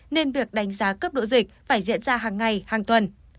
nên việc đánh giá cấp độ dịch phải diễn ra hàng ngày hàng tuần